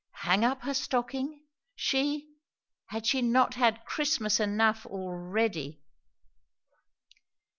Hang up her stocking! She! Had she not had Christmas enough already?